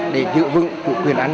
để giữ vững của quyền ăn